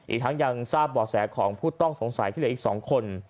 อีกทั้งยังทราบบ่อแสของผู้ต้องสงสัยที่เหลืออีก๒คน